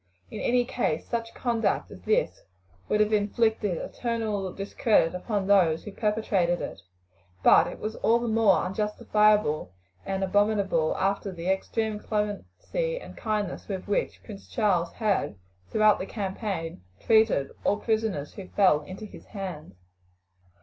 In any case such conduct as this would have inflicted eternal discredit upon those who perpetrated it; but it was all the more unjustifiable and abominable after the extreme clemency and kindness with which Prince Charles had, throughout the campaign, treated all prisoners who fell into his hands.